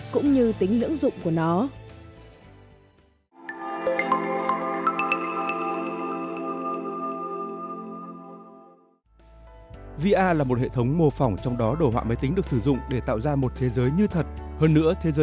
cũng như tính lưỡng dụng của nó